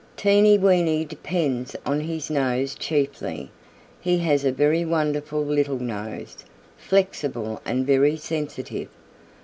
Teeny Weeny depends on his nose chiefly. He has a very wonderful little nose, flexible and very sensitive.